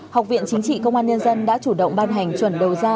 học viện chính trị công an nhân dân đã chủ động ban hành chuẩn đầu ra